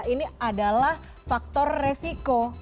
ini adalah faktor resiko